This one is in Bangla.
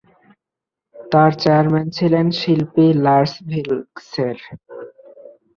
তার চেয়ারম্যান ছিলেন শিল্পী লার্স ভিল্কসের।